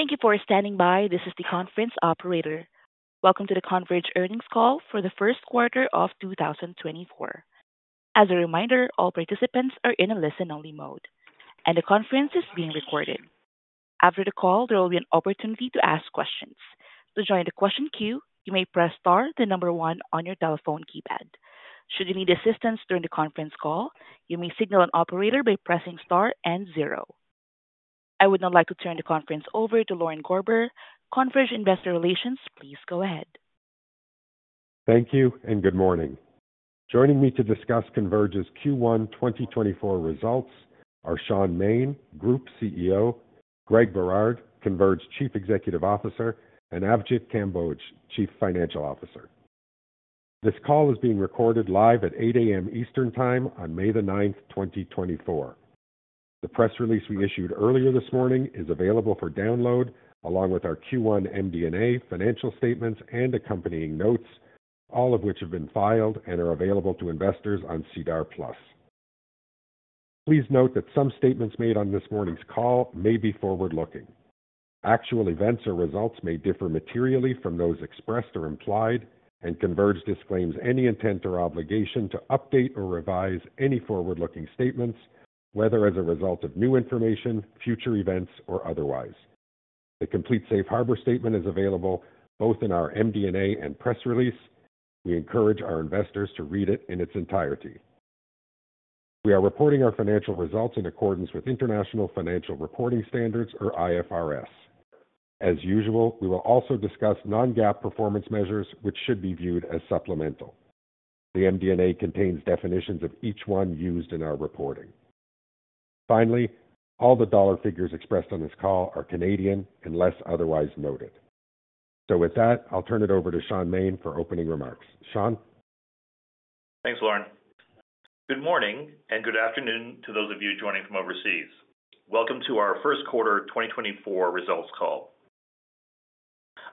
Thank you for standing by. This is the conference operator. Welcome to the Converge earnings call for the first quarter of 2024. As a reminder, all participants are in a listen-only mode, and the conference is being recorded. After the call, there will be an opportunity to ask questions. To join the question queue, you may press star the number one on your telephone keypad. Should you need assistance during the conference call, you may signal an operator by pressing star and zero. I would now like to turn the conference over to Lauren Corber, Converge Investor Relations. Please go ahead. Thank you and good morning. Joining me to discuss Converge's Q1 2024 results are Shaun Maine, Group CEO, Greg Berard, Converge Chief Executive Officer, and Avjit Kamboj, Chief Financial Officer. This call is being recorded live at 8:00 A.M. Eastern Time on May 9, 2024. The press release we issued earlier this morning is available for download, along with our Q1 MD&A financial statements and accompanying notes, all of which have been filed and are available to investors on SEDAR+. Please note that some statements made on this morning's call may be forward-looking. Actual events or results may differ materially from those expressed or implied, and Converge disclaims any intent or obligation to update or revise any forward-looking statements, whether as a result of new information, future events, or otherwise. The complete safe harbor statement is available both in our MD&A and press release. We encourage our investors to read it in its entirety. We are reporting our financial results in accordance with International Financial Reporting Standards, or IFRS. As usual, we will also discuss non-GAAP performance measures, which should be viewed as supplemental. The MD&A contains definitions of each one used in our reporting. Finally, all the dollar figures expressed on this call are Canadian, unless otherwise noted. So with that, I'll turn it over to Shaun Maine for opening remarks. Shaun? Thanks, Lauren. Good morning, and good afternoon to those of you joining from overseas. Welcome to our first quarter 2024 results call.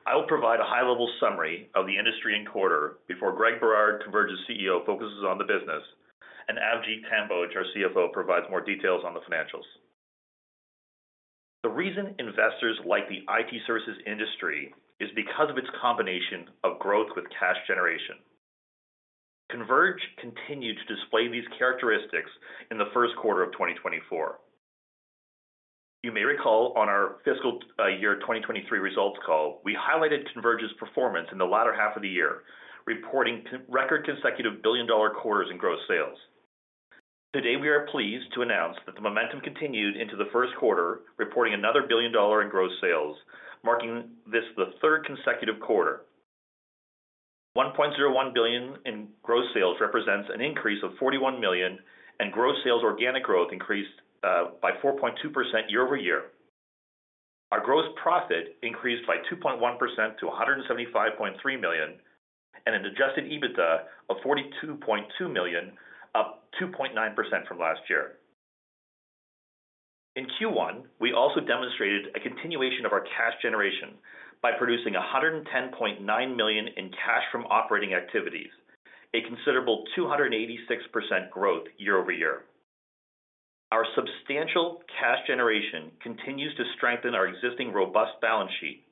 I will provide a high-level summary of the industry and quarter before Greg Berard, Converge's CEO, focuses on the business, and Avjit Kamboj, our CFO, provides more details on the financials. The reason investors like the IT services industry is because of its combination of growth with cash generation. Converge continued to display these characteristics in the first quarter of 2024. You may recall on our fiscal year 2023 results call, we highlighted Converge's performance in the latter half of the year, reporting record consecutive billion-dollar quarters in gross sales. Today, we are pleased to announce that the momentum continued into the first quarter, reporting another 1 billion dollar in gross sales, marking this the third consecutive quarter. 1.01 billion in gross sales represents an increase of 41 million, and gross sales organic growth increased by 4.2% year-over-year. Our gross profit increased by 2.1% to 175.3 million and an Adjusted EBITDA of 42.2 million, up 2.9% from last year. In Q1, we also demonstrated a continuation of our cash generation by producing 110.9 million in cash from operating activities, a considerable 286% growth year-over-year. Our substantial cash generation continues to strengthen our existing robust balance sheet,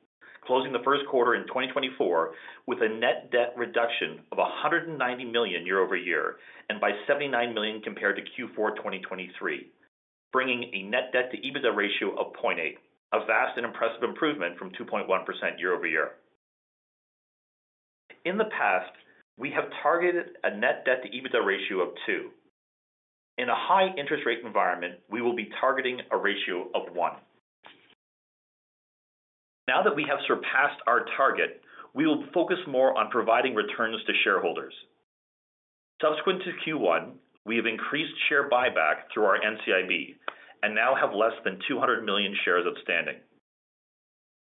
closing the first quarter in 2024 with a net debt reduction of 190 million year-over-year, and by 79 million compared to Q4 2023, bringing a net debt to EBITDA ratio of 0.8, a vast and impressive improvement from 2.1% year-over-year. In the past, we have targeted a net debt to EBITDA ratio of 2. In a high interest rate environment, we will be targeting a ratio of 1. Now that we have surpassed our target, we will focus more on providing returns to shareholders. Subsequent to Q1, we have increased share buyback through our NCIB and now have less than 200 million shares outstanding.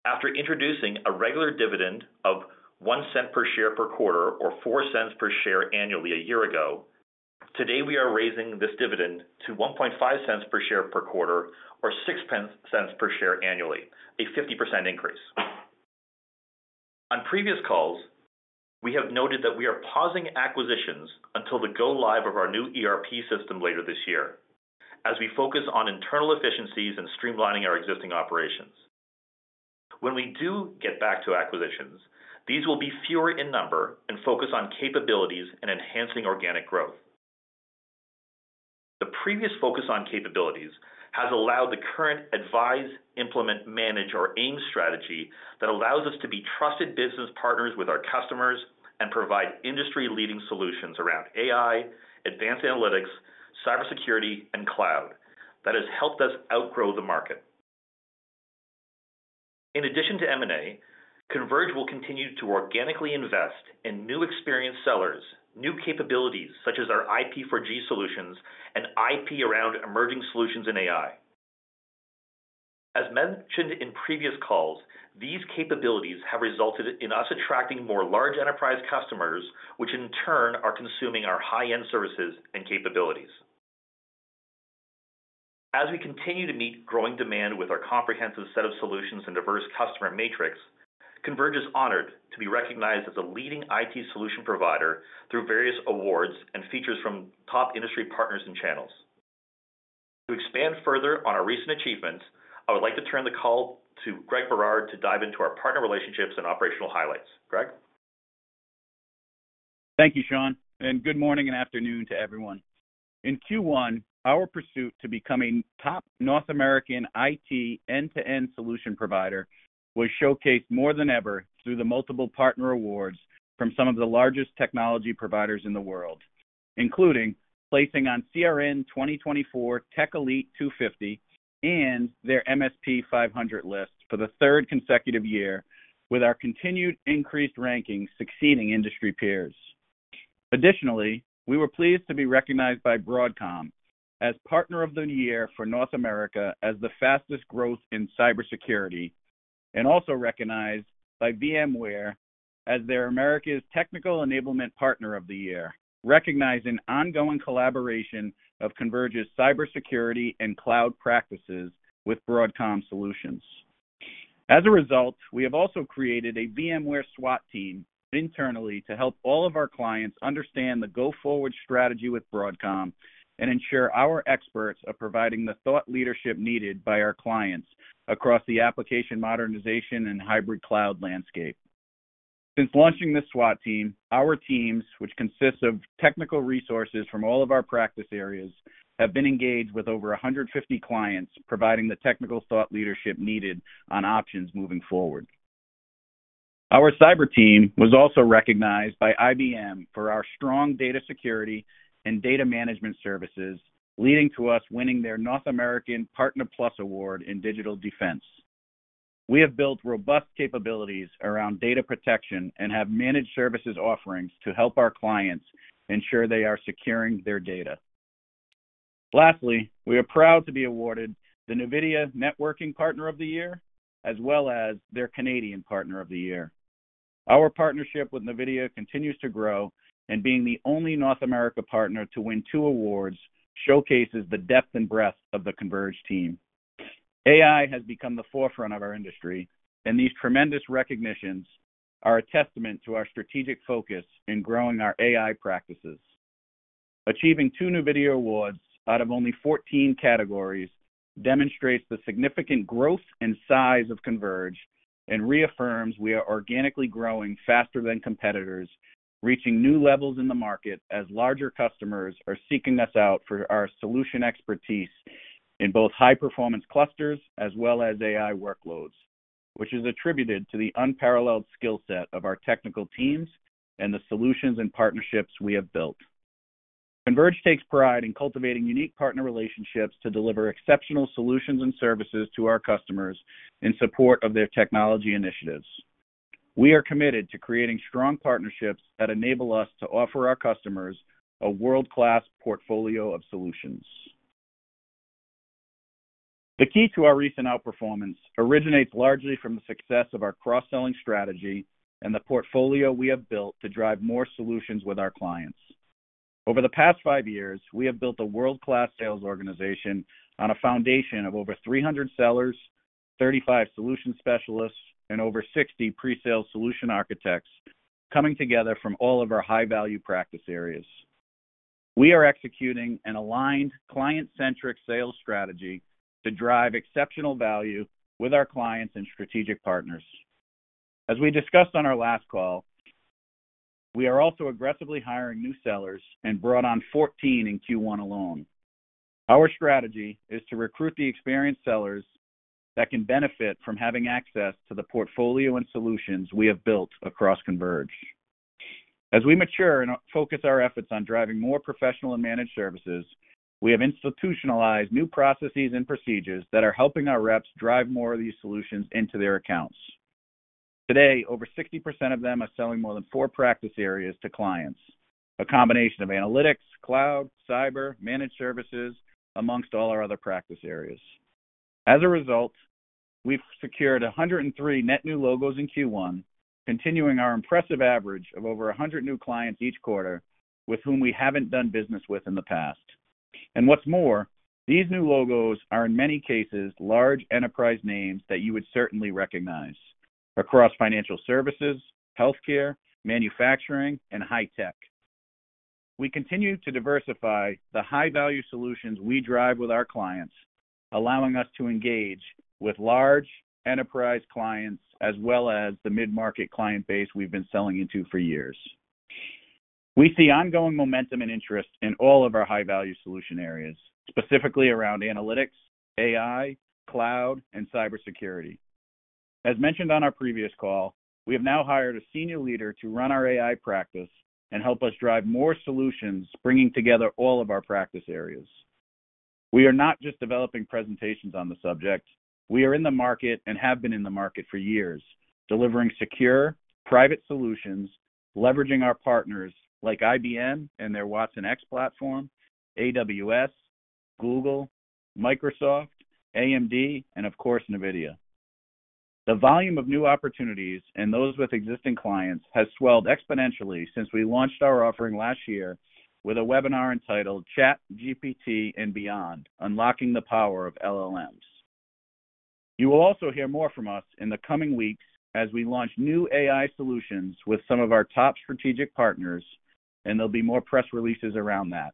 After introducing a regular dividend of 0.01 per share per quarter, or 0.04 per share annually a year ago, today, we are raising this dividend to 0.015 per share per quarter, or 0.06 per share annually, a 50% increase. On previous calls, we have noted that we are pausing acquisitions until the go-live of our new ERP system later this year, as we focus on internal efficiencies and streamlining our existing operations. When we do get back to acquisitions, these will be fewer in number and focus on capabilities and enhancing organic growth. The previous focus on capabilities has allowed the current Advise, Implement, Manage, or AIM strategy that allows us to be trusted business partners with our customers and provide industry-leading solutions around AI, advanced analytics, cybersecurity, and cloud that has helped us outgrow the market. In addition to M&A, Converge will continue to organically invest in new experienced sellers, new capabilities such as our IP4G solutions and IP around emerging solutions in AI. As mentioned in previous calls, these capabilities have resulted in us attracting more large enterprise customers, which in turn are consuming our high-end services and capabilities. As we continue to meet growing demand with our comprehensive set of solutions and diverse customer matrix... Converge is honored to be recognized as a leading IT solution provider through various awards and features from top industry partners and channels. To expand further on our recent achievements, I would like to turn the call to Greg Berard to dive into our partner relationships and operational highlights. Greg? Thank you, Shaun, and good morning and afternoon to everyone. In Q1, our pursuit to becoming top North American IT end-to-end solution provider was showcased more than ever through the multiple partner awards from some of the largest technology providers in the world, including placing on CRN 2024 Tech Elite 250 and their MSP 500 list for the third consecutive year, with our continued increased rankings succeeding industry peers. Additionally, we were pleased to be recognized by Broadcom as Partner of the Year for North America as the fastest growth in cybersecurity, and also recognized by VMware as their Americas Technical Enablement Partner of the Year, recognizing ongoing collaboration of Converge's cybersecurity and cloud practices with Broadcom Solutions. As a result, we have also created a VMware SWAT Team internally to help all of our clients understand the go-forward strategy with Broadcom and ensure our experts are providing the thought leadership needed by our clients across the application modernization and hybrid cloud landscape. Since launching this SWAT Team, our teams, which consist of technical resources from all of our practice areas, have been engaged with over 150 clients, providing the technical thought leadership needed on options moving forward. Our cyber team was also recognized by IBM for our strong data security and data management services, leading to us winning their North American Partner Plus Award in digital defense. We have built robust capabilities around data protection and have managed services offerings to help our clients ensure they are securing their data. Lastly, we are proud to be awarded the NVIDIA Networking Partner of the Year, as well as their Canadian Partner of the Year. Our partnership with NVIDIA continues to grow, and being the only North America partner to win 2 awards showcases the depth and breadth of the Converge team. AI has become the forefront of our industry, and these tremendous recognitions are a testament to our strategic focus in growing our AI practices. Achieving 2 NVIDIA awards out of only 14 categories demonstrates the significant growth and size of Converge and reaffirms we are organically growing faster than competitors, reaching new levels in the market as larger customers are seeking us out for our solution expertise in both high-performance clusters as well as AI workloads, which is attributed to the unparalleled skill set of our technical teams and the solutions and partnerships we have built. Converge takes pride in cultivating unique partner relationships to deliver exceptional solutions and services to our customers in support of their technology initiatives. We are committed to creating strong partnerships that enable us to offer our customers a world-class portfolio of solutions. The key to our recent outperformance originates largely from the success of our cross-selling strategy and the portfolio we have built to drive more solutions with our clients. Over the past 5 years, we have built a world-class sales organization on a foundation of over 300 sellers, 35 solution specialists, and over 60 pre-sales solution architects coming together from all of our high-value practice areas. We are executing an aligned, client-centric sales strategy to drive exceptional value with our clients and strategic partners. As we discussed on our last call, we are also aggressively hiring new sellers and brought on 14 in Q1 alone. Our strategy is to recruit the experienced sellers that can benefit from having access to the portfolio and solutions we have built across Converge. As we mature and focus our efforts on driving more professional and managed services, we have institutionalized new processes and procedures that are helping our reps drive more of these solutions into their accounts. Today, over 60% of them are selling more than four practice areas to clients, a combination of analytics, cloud, cyber, managed services, amongst all our other practice areas. As a result, we've secured 103 net new logos in Q1, continuing our impressive average of over 100 new clients each quarter with whom we haven't done business with in the past. What's more, these new logos are, in many cases, large enterprise names that you would certainly recognize across financial services, healthcare, manufacturing, and high tech. We continue to diversify the high-value solutions we drive with our clients, allowing us to engage with large enterprise clients as well as the mid-market client base we've been selling into for years. We see ongoing momentum and interest in all of our high-value solution areas, specifically around analytics, AI, cloud, and cybersecurity. As mentioned on our previous call, we have now hired a senior leader to run our AI practice and help us drive more solutions, bringing together all of our practice areas. We are not just developing presentations on the subject. We are in the market and have been in the market for years, delivering secure, private solutions, leveraging our partners like IBM and their watsonx platform, AWS, Google, Microsoft, AMD, and of course, NVIDIA. The volume of new opportunities and those with existing clients has swelled exponentially since we launched our offering last year with a webinar entitled ChatGPT and Beyond: Unlocking the Power of LLMs. You will also hear more from us in the coming weeks as we launch new AI solutions with some of our top strategic partners, and there'll be more press releases around that.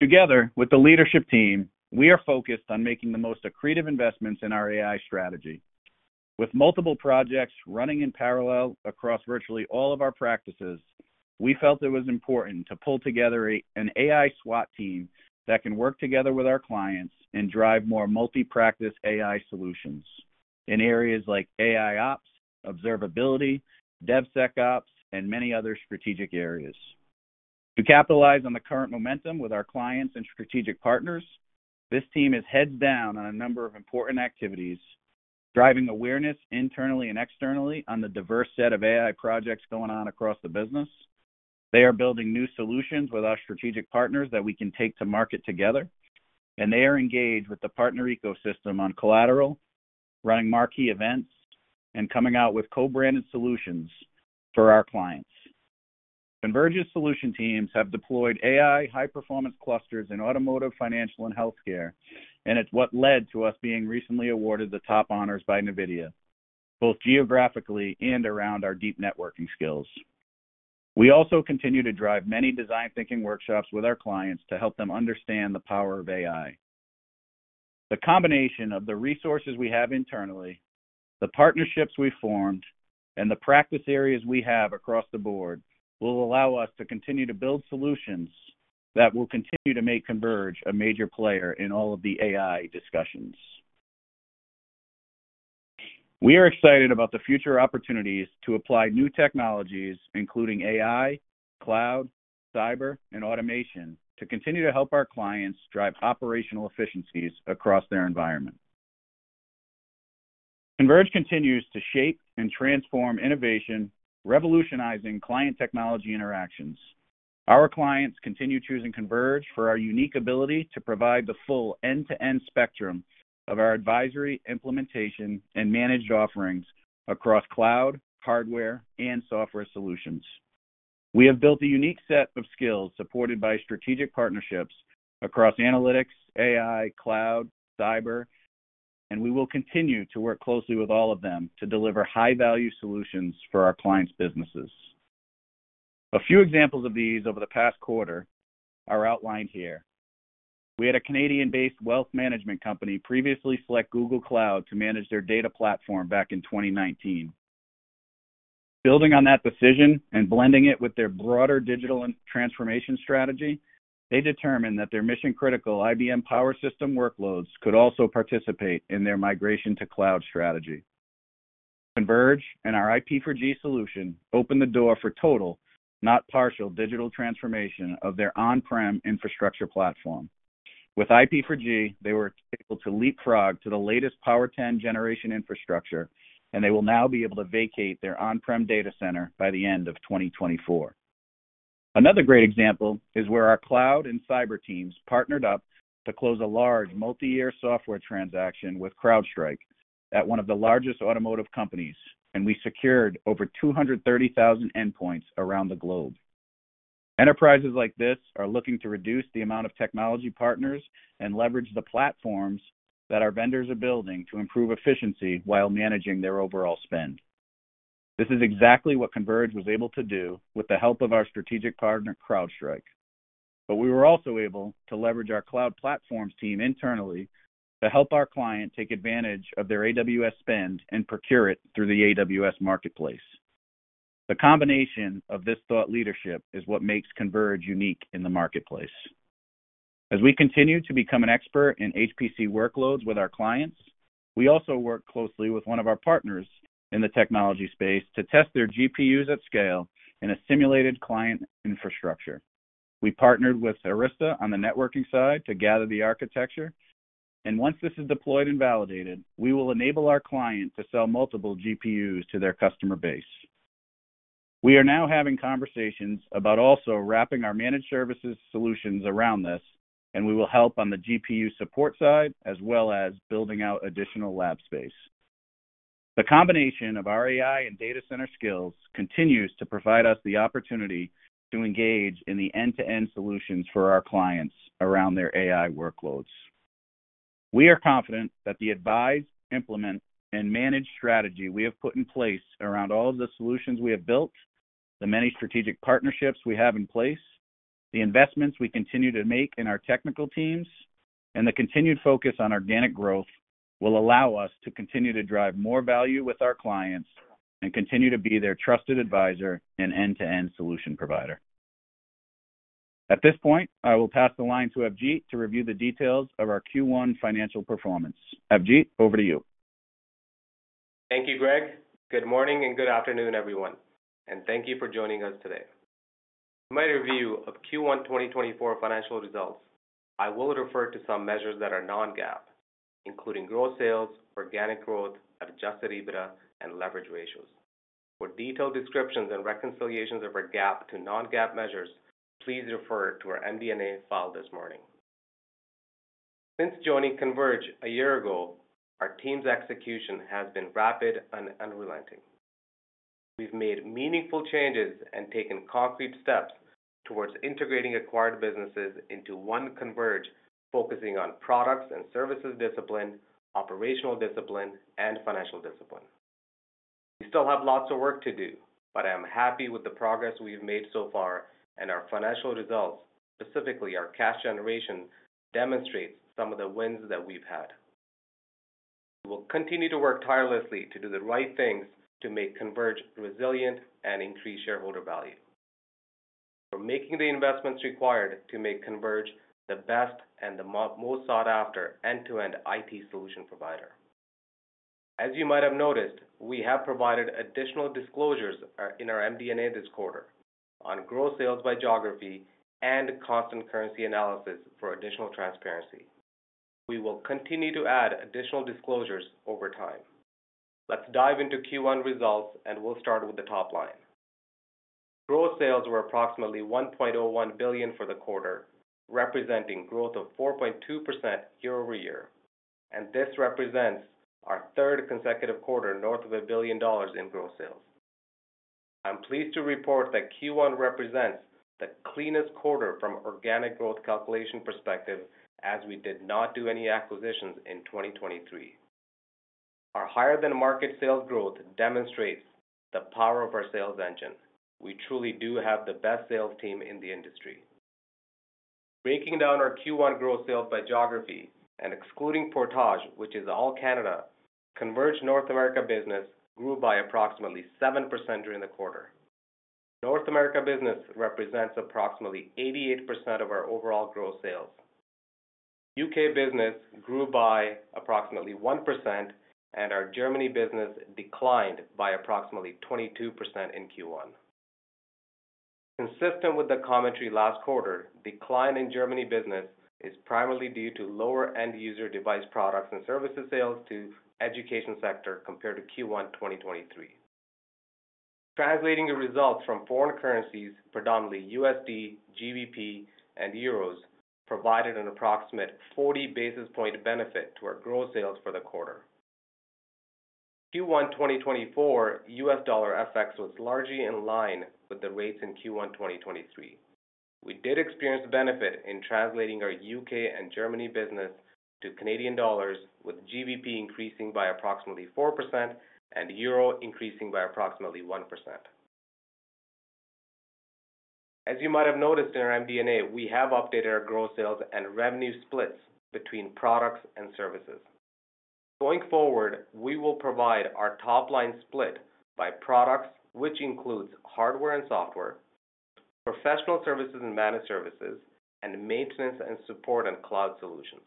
Together, with the leadership team, we are focused on making the most accretive investments in our AI strategy. With multiple projects running in parallel across virtually all of our practices, we felt it was important to pull together an AI SWAT team that can work together with our clients and drive more multi-practice AI solutions in areas like AIOps, observability, DevSecOps, and many other strategic areas. To capitalize on the current momentum with our clients and strategic partners, this team is heads down on a number of important activities, driving awareness internally and externally on the diverse set of AI projects going on across the business. They are building new solutions with our strategic partners that we can take to market together, and they are engaged with the partner ecosystem on collateral, running marquee events, and coming out with co-branded solutions for our clients. Converge's solution teams have deployed AI high-performance clusters in automotive, financial, and healthcare, and it's what led to us being recently awarded the top honors by NVIDIA, both geographically and around our deep networking skills. We also continue to drive many design thinking workshops with our clients to help them understand the power of AI. The combination of the resources we have internally, the partnerships we've formed, and the practice areas we have across the board, will allow us to continue to build solutions that will continue to make Converge a major player in all of the AI discussions. We are excited about the future opportunities to apply new technologies, including AI, cloud, cyber, and automation, to continue to help our clients drive operational efficiencies across their environment. Converge continues to shape and transform innovation, revolutionizing client-technology interactions. Our clients continue choosing Converge for our unique ability to provide the full end-to-end spectrum of our advisory, implementation, and managed offerings across cloud, hardware, and software solutions. We have built a unique set of skills supported by strategic partnerships across analytics, AI, cloud, cyber, and we will continue to work closely with all of them to deliver high-value solutions for our clients' businesses. A few examples of these over the past quarter are outlined here. We had a Canadian-based wealth management company previously select Google Cloud to manage their data platform back in 2019. Building on that decision and blending it with their broader digital and transformation strategy, they determined that their mission-critical IBM Power Systems workloads could also participate in their migration to cloud strategy. Converge and our IP4G solution opened the door for total, not partial, digital transformation of their on-prem infrastructure platform. With IP4G, they were able to leapfrog to the latest Power10 generation infrastructure, and they will now be able to vacate their on-prem data center by the end of 2024. Another great example is where our cloud and cyber teams partnered up to close a large multi-year software transaction with CrowdStrike at one of the largest automotive companies, and we secured over 230,000 endpoints around the globe. Enterprises like this are looking to reduce the amount of technology partners and leverage the platforms that our vendors are building to improve efficiency while managing their overall spend. This is exactly what Converge was able to do with the help of our strategic partner, CrowdStrike. But we were also able to leverage our cloud platforms team internally, to help our client take advantage of their AWS spend and procure it through the AWS Marketplace. The combination of this thought leadership is what makes Converge unique in the marketplace. As we continue to become an expert in HPC workloads with our clients, we also work closely with one of our partners in the technology space to test their GPUs at scale in a simulated client infrastructure. We partnered with Arista on the networking side to gather the architecture, and once this is deployed and validated, we will enable our client to sell multiple GPUs to their customer base. We are now having conversations about also wrapping our managed services solutions around this, and we will help on the GPU support side, as well as building out additional lab space. The combination of our AI and data center skills continues to provide us the opportunity to engage in the end-to-end solutions for our clients around their AI workloads. We are confident that the advise, implement, and manage strategy we have put in place around all of the solutions we have built, the many strategic partnerships we have in place, the investments we continue to make in our technical teams, and the continued focus on organic growth, will allow us to continue to drive more value with our clients and continue to be their trusted advisor and end-to-end solution provider. At this point, I will pass the line to Avjit to review the details of our Q1 financial performance. Avjit, over to you. Thank you, Greg. Good morning and good afternoon, everyone, and thank you for joining us today. My review of Q1 2024 financial results, I will refer to some measures that are non-GAAP, including gross sales, organic growth, adjusted EBITDA, and leverage ratios. For detailed descriptions and reconciliations of our GAAP to non-GAAP measures, please refer to our MD&A file this morning. Since joining Converge a year ago, our team's execution has been rapid and unrelenting. We've made meaningful changes and taken concrete steps towards integrating acquired businesses into one Converge, focusing on products and services discipline, operational discipline, and financial discipline. We still have lots of work to do, but I am happy with the progress we've made so far, and our financial results, specifically our cash generation, demonstrates some of the wins that we've had. We will continue to work tirelessly to do the right things to make Converge resilient and increase shareholder value. We're making the investments required to make Converge the best and the most sought-after end-to-end IT solution provider. As you might have noticed, we have provided additional disclosures in our MD&A this quarter on gross sales by geography and constant currency analysis for additional transparency. We will continue to add additional disclosures over time. Let's dive into Q1 results, and we'll start with the top line. Gross sales were approximately 1.01 billion for the quarter, representing growth of 4.2% year-over-year, and this represents our third consecutive quarter north of 1 billion dollars in gross sales. I'm pleased to report that Q1 represents the cleanest quarter from organic growth calculation perspective, as we did not do any acquisitions in 2023. Our higher-than-market sales growth demonstrates the power of our sales engine. We truly do have the best sales team in the industry. Breaking down our Q1 growth sales by geography and excluding Portage, which is all Canada, Converge North America business grew by approximately 7% during the quarter. North America business represents approximately 88% of our overall growth sales. U.K business grew by approximately 1%, and our Germany business declined by approximately 22% in Q1. Consistent with the commentary last quarter, decline in Germany business is primarily due to lower end user device products and services sales to education sector compared to Q1, 2023. Translating the results from foreign currencies, predominantly USD, GBP, and euros, provided an approximate 40 basis points benefit to our gross sales for the quarter. Q1 2024 U.S dollar FX was largely in line with the rates in Q1 2023. We did experience a benefit in translating our U.K and Germany business to Canadian dollars, with GBP increasing by approximately 4% and EUR increasing by approximately 1%. As you might have noticed in our MD&A, we have updated our gross sales and revenue splits between products and services. Going forward, we will provide our top-line split by products, which includes hardware and software, professional services and managed services, and maintenance and support and cloud solutions.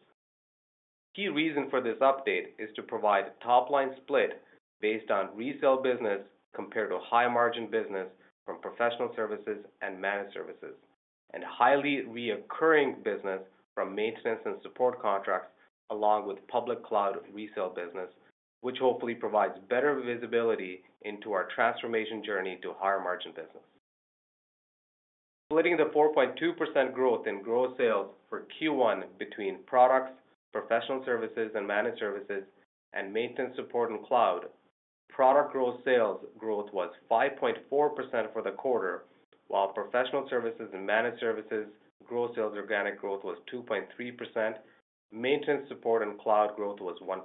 Key reason for this update is to provide top-line split based on resale business, compared to a high-margin business from professional services and managed services, and highly recurring business from maintenance and support contracts, along with public cloud resale business, which hopefully provides better visibility into our transformation journey to higher-margin business. Splitting the 4.2% growth in gross sales for Q1 between products, professional services and managed services, and maintenance, support, and cloud, product gross sales growth was 5.4% for the quarter, while professional services and managed services gross sales organic growth was 2.3%, maintenance, support and cloud growth was 1%.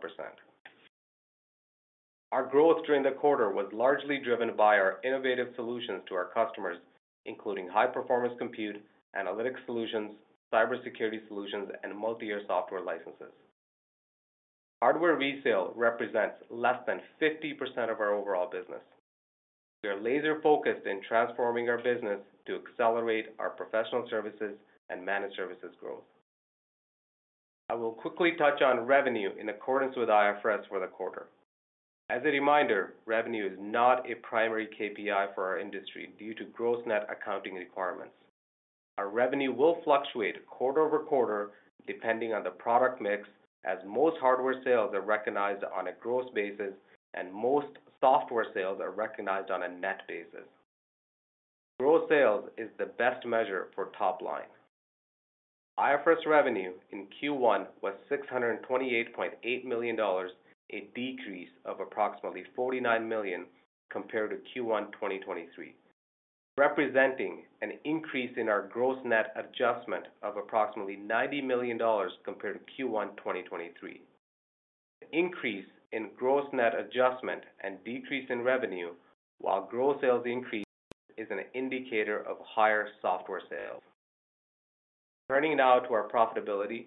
Our growth during the quarter was largely driven by our innovative solutions to our customers, including high-performance compute, analytic solutions, cybersecurity solutions, and multi-year software licenses. Hardware resale represents less than 50% of our overall business. We are laser-focused in transforming our business to accelerate our professional services and managed services growth. I will quickly touch on revenue in accordance with IFRS for the quarter. As a reminder, revenue is not a primary KPI for our industry due to gross net accounting requirements. Our revenue will fluctuate quarter over quarter, depending on the product mix, as most hardware sales are recognized on a gross basis, and most software sales are recognized on a net basis. Gross sales is the best measure for top line. IFRS revenue in Q1 was 628.8 million dollars, a decrease of approximately 49 million compared to Q1 2023, representing an increase in our gross net adjustment of approximately 90 million dollars compared to Q1 2023. Increase in gross net adjustment and decrease in revenue, while gross sales increase, is an indicator of higher software sales. Turning now to our profitability.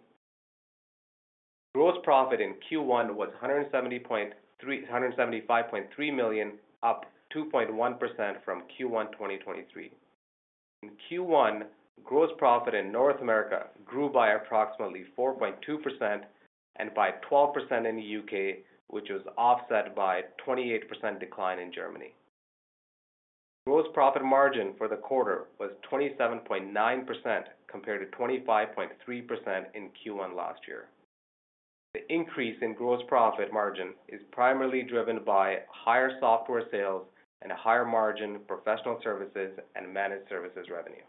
Gross profit in Q1 was 175.3 million, up 2.1% from Q1 2023. In Q1, gross profit in North America grew by approximately 4.2% and by 12% in the U.K, which was offset by a 28% decline in Germany. Gross profit margin for the quarter was 27.9%, compared to 25.3% in Q1 last year. The increase in gross profit margin is primarily driven by higher software sales and a higher margin professional services and managed services revenue....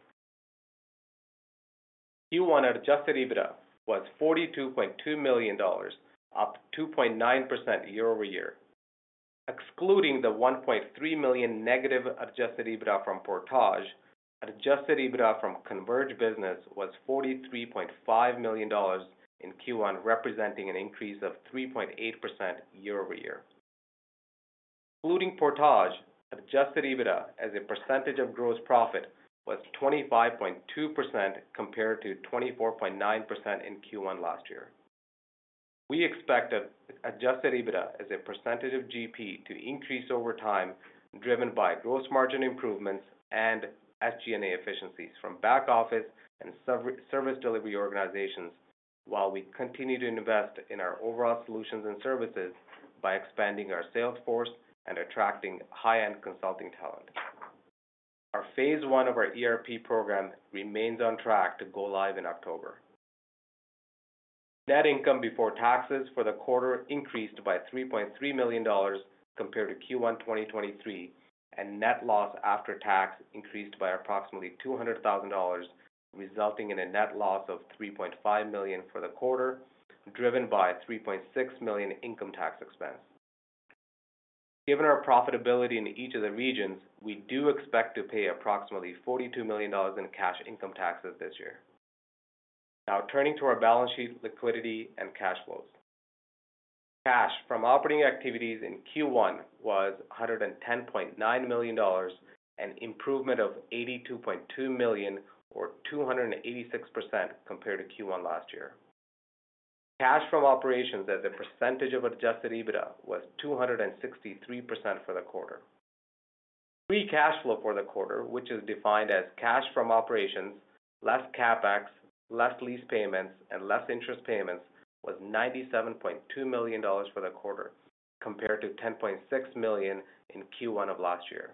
Q1 Adjusted EBITDA was 42.2 million dollars, up 2.9% year-over-year. Excluding the 1.3 million negative Adjusted EBITDA from Portage, Adjusted EBITDA from Converge business was 43.5 million dollars in Q1, representing an increase of 3.8% year-over-year. Including Portage, Adjusted EBITDA as a percentage of gross profit was 25.2% compared to 24.9% in Q1 last year. We expect adjusted EBITDA as a percentage of GP to increase over time, driven by gross margin improvements and SG&A efficiencies from back office and service delivery organizations, while we continue to invest in our overall solutions and services by expanding our sales force and attracting high-end consulting talent. Our phase one of our ERP program remains on track to go live in October. Net income before taxes for the quarter increased by CAD 3.3 million compared to Q1 2023, and net loss after tax increased by approximately 200,000 dollars, resulting in a net loss of 3.5 million for the quarter, driven by 3.6 million income tax expense. Given our profitability in each of the regions, we do expect to pay approximately 42 million dollars in cash income taxes this year. Now, turning to our balance sheet, liquidity, and cash flows. Cash from operating activities in Q1 was 110.9 million dollars, an improvement of 82.2 million or 286% compared to Q1 last year. Cash from operations as a percentage of adjusted EBITDA was 263% for the quarter. Free cash flow for the quarter, which is defined as cash from operations, less CapEx, less lease payments, and less interest payments, was 97.2 million dollars for the quarter, compared to 10.6 million in Q1 of last year.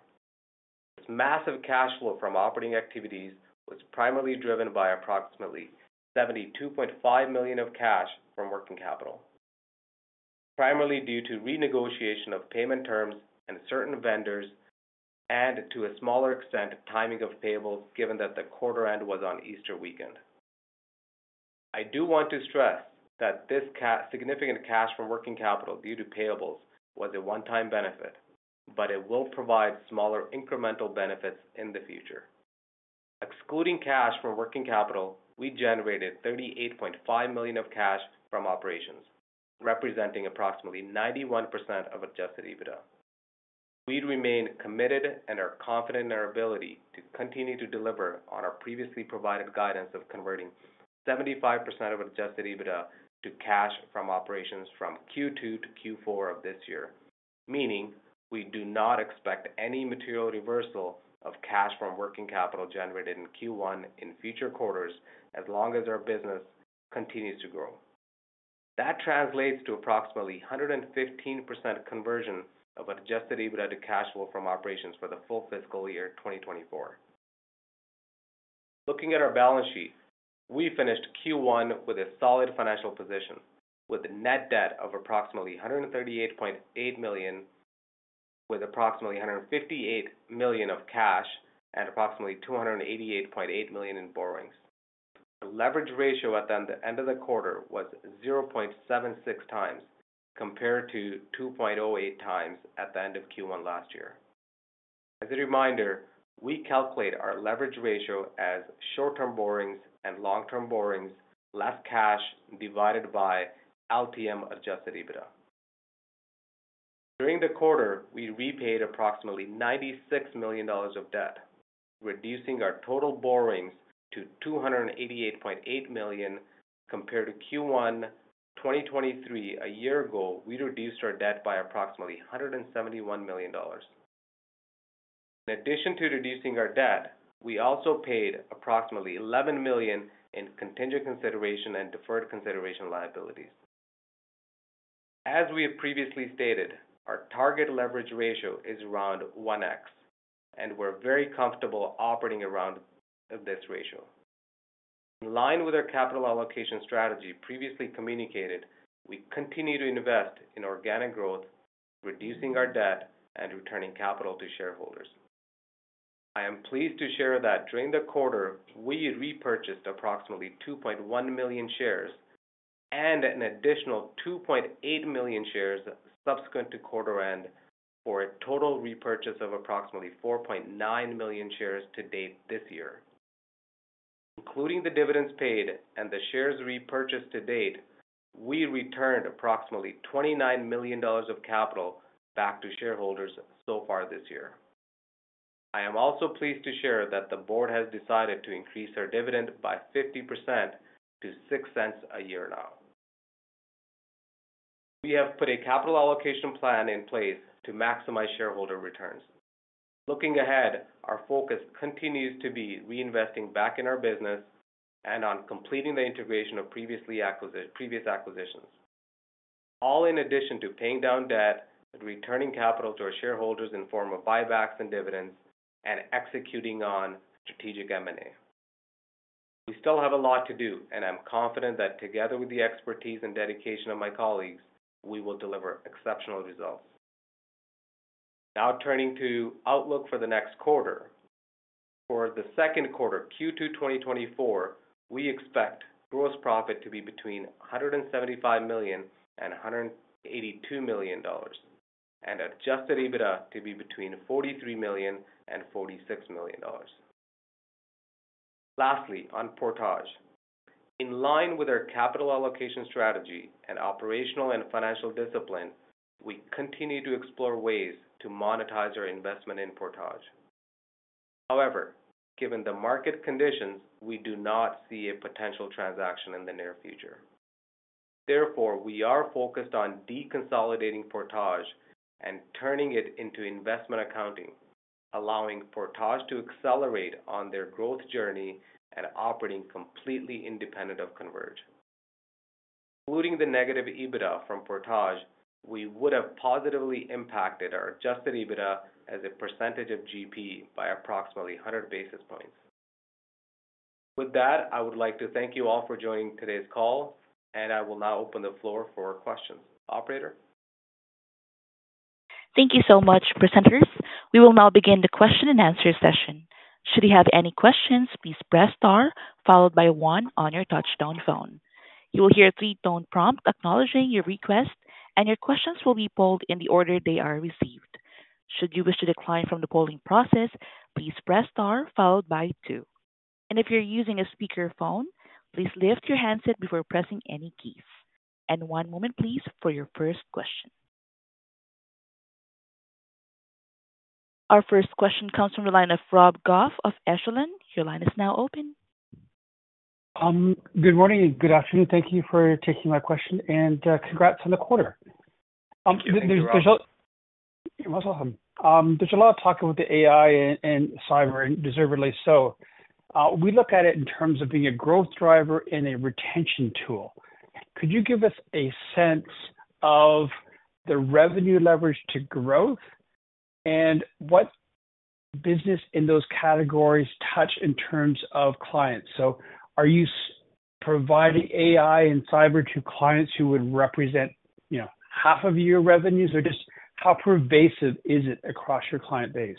This massive cash flow from operating activities was primarily driven by approximately 72.5 million of cash from working capital, primarily due to renegotiation of payment terms and certain vendors, and to a smaller extent, timing of payables, given that the quarter end was on Easter weekend. I do want to stress that this significant cash from working capital due to payables was a one-time benefit, but it will provide smaller incremental benefits in the future. Excluding cash from working capital, we generated 38.5 million of cash from operations, representing approximately 91% of adjusted EBITDA. We remain committed and are confident in our ability to continue to deliver on our previously provided guidance of converting 75% of adjusted EBITDA to cash from operations from Q2 to Q4 of this year. Meaning, we do not expect any material reversal of cash from working capital generated in Q1 in future quarters, as long as our business continues to grow. That translates to approximately 115% conversion of Adjusted EBITDA to cash flow from operations for the full fiscal year 2024. Looking at our balance sheet, we finished Q1 with a solid financial position, with a net debt of approximately 138.8 million, with approximately 158 million of cash and approximately 288.8 million in borrowings. The leverage ratio at the end of the quarter was 0.76x, compared to 2.08x at the end of Q1 last year. As a reminder, we calculate our leverage ratio as short-term borrowings and long-term borrowings, less cash divided by LTM Adjusted EBITDA. During the quarter, we repaid approximately 96 million dollars of debt, reducing our total borrowings to 288.8 million compared to Q1 2023. A year ago, we reduced our debt by approximately 171 million dollars. In addition to reducing our debt, we also paid approximately 11 million in contingent consideration and deferred consideration liabilities. As we have previously stated, our target leverage ratio is around 1x, and we're very comfortable operating around this ratio. In line with our capital allocation strategy previously communicated, we continue to invest in organic growth, reducing our debt, and returning capital to shareholders. I am pleased to share that during the quarter, we repurchased approximately 2.1 million shares and an additional 2.8 million shares subsequent to quarter end, for a total repurchase of approximately 4.9 million shares to date this year. Including the dividends paid and the shares repurchased to date, we returned approximately 29 million dollars of capital back to shareholders so far this year. I am also pleased to share that the board has decided to increase our dividend by 50% to 0.06 a year now. We have put a capital allocation plan in place to maximize shareholder returns. Looking ahead, our focus continues to be reinvesting back in our business and on completing the integration of previous acquisitions. All in addition to paying down debt and returning capital to our shareholders in form of buybacks and dividends and executing on strategic M&A. We still have a lot to do, and I'm confident that together with the expertise and dedication of my colleagues, we will deliver exceptional results. Now turning to outlook for the next quarter. For the second quarter, Q2, 2024, we expect gross profit to be between 175 million and 182 million dollars, and adjusted EBITDA to be between 43 million and 46 million dollars. Lastly, on Portage. In line with our capital allocation strategy and operational and financial discipline, we continue to explore ways to monetize our investment in Portage. However, given the market conditions, we do not see a potential transaction in the near future. Therefore, we are focused on deconsolidating Portage and turning it into investment accounting, allowing Portage to accelerate on their growth journey and operating completely independent of Converge. Including the negative EBITDA from Portage, we would have positively impacted our Adjusted EBITDA as a percentage of GP by approximately 100 basis points. With that, I would like to thank you all for joining today's call, and I will now open the floor for questions. Operator? Thank you so much, presenters. We will now begin the question and answer session. Should you have any questions, please press star, followed by one on your touch-tone phone. You will hear a three-tone prompt acknowledging your request, and your questions will be queued in the order they are received. Should you wish to decline from the queueing process, please press star followed by two. If you're using a speakerphone, please lift your handset before pressing any keys. One moment, please, for your first question. Our first question comes from the line of Rob Goff of Echelon. Your line is now open. Good morning and good afternoon. Thank you for taking my question, and, congrats on the quarter. Thank you, Rob. You're most welcome. There's a lot of talk about the AI and cyber, and deservedly so. We look at it in terms of being a growth driver and a retention tool. Could you give us a sense of the revenue leverage to growth and what business in those categories touch in terms of clients? So are you providing AI and cyber to clients who would represent, you know, half of your revenues? Or just how pervasive is it across your client base?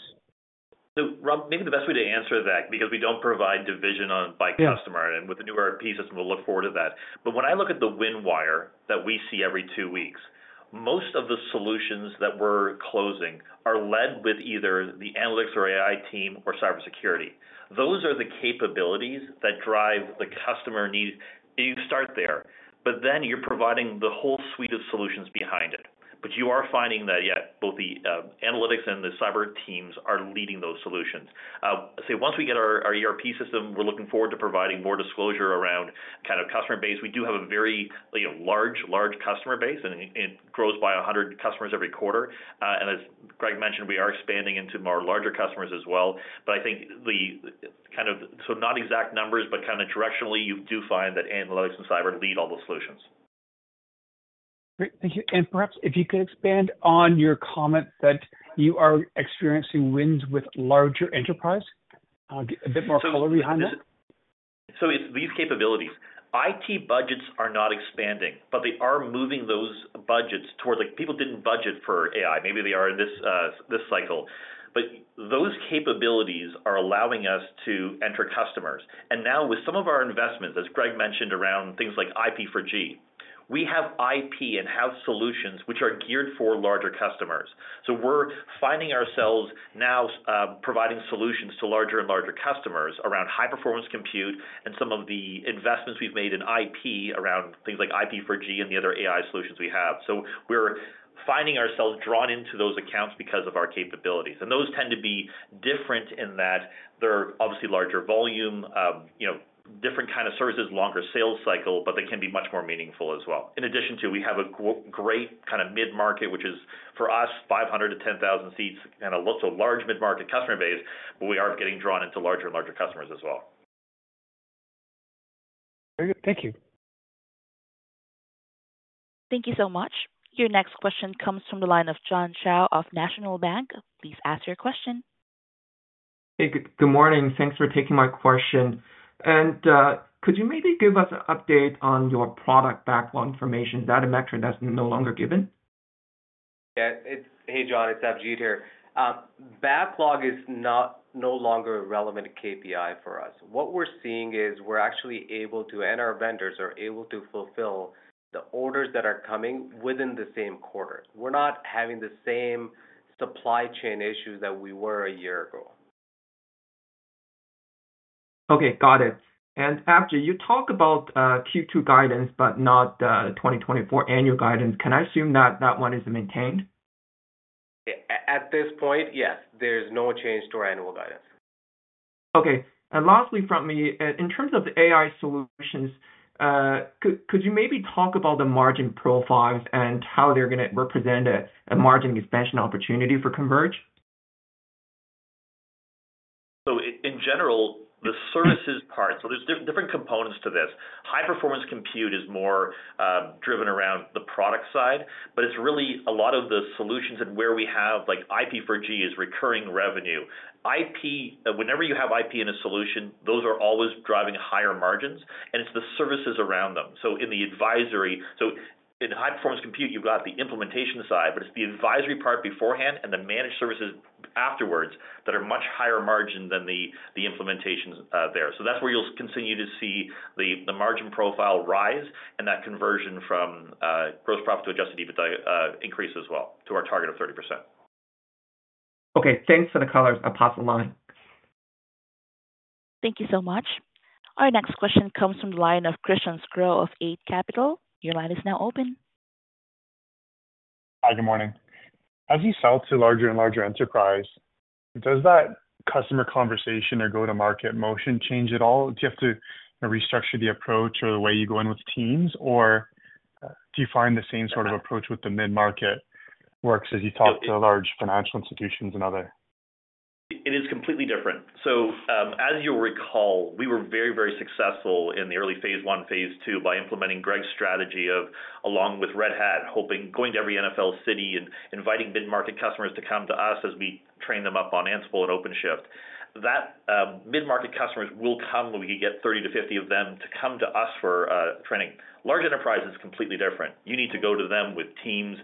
So, Rob, maybe the best way to answer that, because we don't provide division on by customer, and with the new ERP system, we'll look forward to that. But when I look at the win wire that we see every two weeks, most of the solutions that we're closing are led with either the analytics or AI team or cybersecurity. Those are the capabilities that drive the customer needs. You start there, but then you're providing the whole suite of solutions behind it. But you are finding that, yeah, both the, analytics and the cyber teams are leading those solutions. So once we get our, our ERP system, we're looking forward to providing more disclosure around kind of customer base. We do have a very, you know, large, large customer base, and it, it grows by 100 customers every quarter. And as Greg mentioned, we are expanding into more larger customers as well. But I think the kind of... So not exact numbers, but kind of directionally, you do find that analytics and cyber lead all those solutions. Great, thank you. And perhaps if you could expand on your comment that you are experiencing wins with larger enterprise. A bit more color behind that? So it's these capabilities. IT budgets are not expanding, but they are moving those budgets towards, like, people didn't budget for AI. Maybe they are in this cycle. But those capabilities are allowing us to enter customers. And now with some of our investments, as Greg mentioned, around things like IP4G, we have IP and have solutions which are geared for larger customers. So we're finding ourselves now, providing solutions to larger and larger customers around high-performance compute and some of the investments we've made in IP around things like IP4G and the other AI solutions we have. So we're finding ourselves drawn into those accounts because of our capabilities, and those tend to be different in that they're obviously larger volume, you know, different kind of services, longer sales cycle, but they can be much more meaningful as well. In addition to, we have a great kind of mid-market, which is, for us, 500-10,000 seats, and a large mid-market customer base, but we are getting drawn into larger and larger customers as well. Very good. Thank you. Thank you so much. Your next question comes from the line of John Shao of National Bank Financial. Please ask your question. Hey, good, good morning. Thanks for taking my question. And, could you maybe give us an update on your product backlog information, that metric that's no longer given? Yeah, it's—Hey, John, it's Avjit here. Backlog is not no longer a relevant KPI for us. What we're seeing is we're actually able to, and our vendors are able to fulfill the orders that are coming within the same quarter. We're not having the same supply chain issues that we were a year ago. Okay, got it. Avjit, you talked about Q2 guidance, but not 2024 annual guidance. Can I assume that that one is maintained? At this point, yes, there is no change to our annual guidance. Okay. Lastly from me, in terms of the AI solutions, could you maybe talk about the margin profiles and how they're gonna represent a margin expansion opportunity for Converge? In general, the services part, so there's different components to this. High performance compute is more driven around the product side, but it's really a lot of the solutions and where we have, like, IP4G is recurring revenue. Whenever you have IP in a solution, those are always driving higher margins, and it's the services around them. So in the advisory. So in high performance compute, you've got the implementation side, but it's the advisory part beforehand and the managed services afterwards that are much higher margin than the implementations there. So that's where you'll continue to see the margin profile rise and that conversion from gross profit to Adjusted EBITDA increase as well, to our target of 30%. Okay, thanks for the color. I'll pass the line. Thank you so much. Our next question comes from the line of Christian Sgro of Eight Capital. Your line is now open. Hi, good morning. As you sell to larger and larger enterprise, does that customer conversation or go-to-market motion change at all? Do you have to restructure the approach or the way you go in with teams, or do you find the same sort of approach with the mid-market works as you talk to large financial institutions and other? It is completely different. So, as you'll recall, we were very, very successful in the early phase one, phase two, by implementing Greg's strategy of along with Red Hat, hoping, going to every NFL city and inviting mid-market customers to come to us as we train them up on Ansible and OpenShift. That mid-market customers will come when we can get 30-50 of them to come to us for training. Large enterprise is completely different. You need to go to them with teams.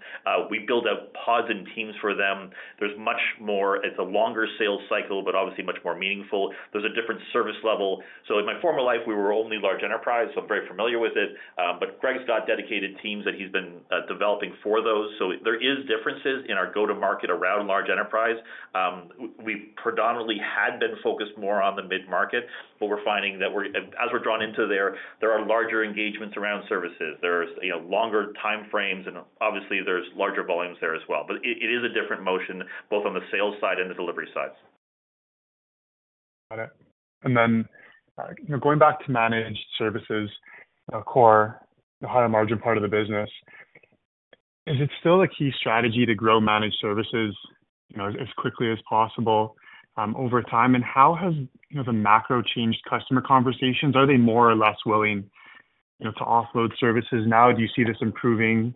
We build out pods and teams for them. There's much more... It's a longer sales cycle, but obviously much more meaningful. There's a different service level. So in my former life, we were only large enterprise, so I'm very familiar with it. But Greg's got dedicated teams that he's been developing for those. So there is differences in our go-to-market around large enterprise. We predominantly had been focused more on the mid-market, but we're finding that as we're drawn into there, there are larger engagements around services. There's, you know, longer time frames, and obviously there's larger volumes there as well. But it is a different motion, both on the sales side and the delivery sides. Got it. And then, going back to managed services, core, the higher margin part of the business, is it still a key strategy to grow managed services, you know, as quickly as possible, over time? And how has, you know, the macro changed customer conversations? Are they more or less willing, you know, to offload services now? Do you see this improving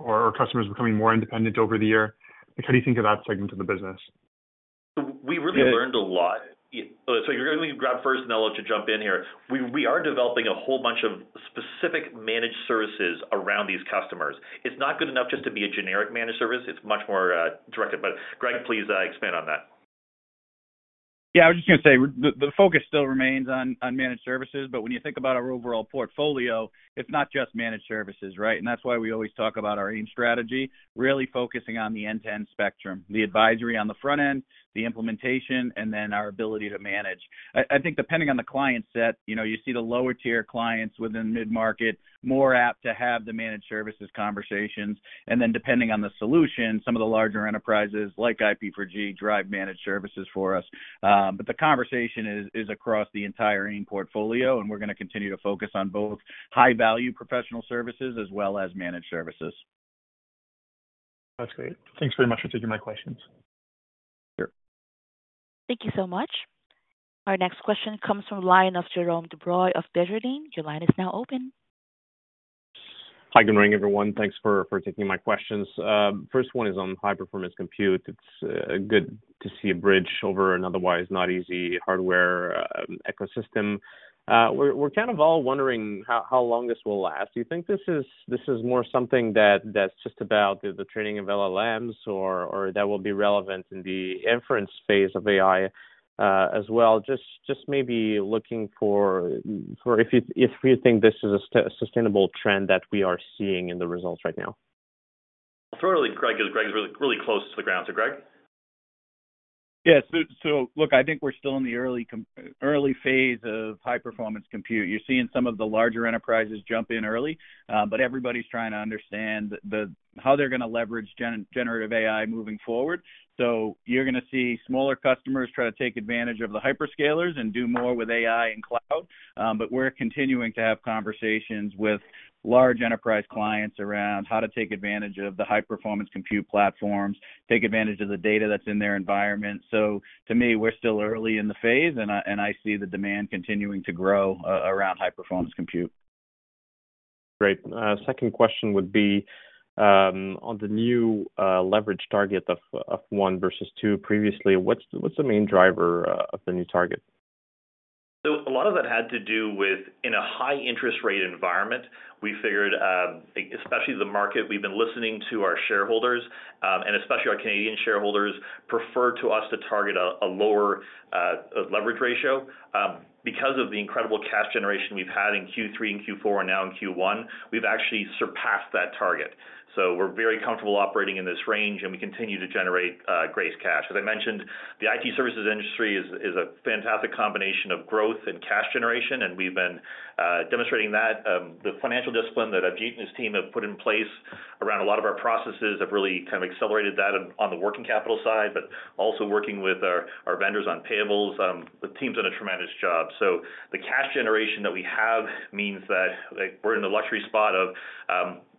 or, customers becoming more independent over the year? How do you think of that segment of the business? We really learned a lot. So you're going to grab first, and I'd love to jump in here. We are developing a whole bunch of specific managed services around these customers. It's not good enough just to be a generic managed service. It's much more directed. But Greg, please, expand on that. Yeah, I was just going to say the focus still remains on managed services, but when you think about our overall portfolio, it's not just managed services, right? And that's why we always talk about our AIM strategy, really focusing on the end-to-end spectrum, the advisory on the front end, the implementation, and then our ability to manage. I think depending on the client set, you know, you see the lower tier clients within the mid-market, more apt to have the managed services conversations, and then depending on the solution, some of the larger enterprises like IP4G drive managed services for us. But the conversation is across the entire AIM portfolio, and we're going to continue to focus on both high value professional services as well as managed services. That's great. Thanks very much for taking my questions. Sure. Thank you so much. Our next question comes from the line of Jérôme Dubreuil of Desjardins. Your line is now open. Hi, good morning, everyone. Thanks for taking my questions. First one is on high performance compute. It's good to see a bridge over an otherwise not easy hardware ecosystem. We're kind of all wondering how long this will last. Do you think this is more something that's just about the training of LLMs, or that will be relevant in the inference phase of AI as well? Just maybe looking for if you think this is a sustainable trend that we are seeing in the results right now. Throw to Greg, as Greg is really, really close to the ground. So, Greg? Yeah. So, look, I think we're still in the early phase of high performance compute. You're seeing some of the larger enterprises jump in early, but everybody's trying to understand how they're going to leverage generative AI moving forward. So you're going to see smaller customers try to take advantage of the hyperscalers and do more with AI and cloud. But we're continuing to have conversations with large enterprise clients around how to take advantage of the high performance compute platforms, take advantage of the data that's in their environment. So to me, we're still early in the phase, and I see the demand continuing to grow around high performance compute. Great. Second question would be, on the new leverage target of one versus two previously. What's the main driver of the new target? So a lot of that had to do with, in a high interest rate environment, we figured, especially the market, we've been listening to our shareholders, and especially our Canadian shareholders, prefer to us to target a lower leverage ratio. Because of the incredible cash generation we've had in Q3 and Q4 and now in Q1, we've actually surpassed that target. So we're very comfortable operating in this range, and we continue to generate great cash. As I mentioned, the IT services industry is a fantastic combination of growth and cash generation, and we've been demonstrating that. The financial discipline that Avjit and his team have put in place around a lot of our processes have really kind of accelerated that on the working capital side, but also working with our vendors on payables. The team's done a tremendous job. So the cash generation that we have means that, like, we're in the luxury spot of,